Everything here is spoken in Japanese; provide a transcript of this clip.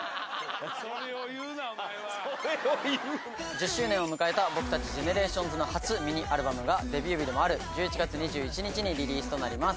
１０周年を迎えた僕たちＧＥＮＥＲＡＴＩＯＮＳの初ミニアルバムがデビュー日でもある１１月２１日にリリースとなります。